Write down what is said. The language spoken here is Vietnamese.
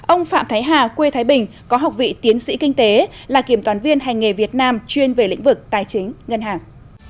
ông phạm thái hà quê thái bình có học vị tiến sĩ kinh tế là kiểm toán viên hành nghề việt nam chuyên về lĩnh vực tài chính ngân hàng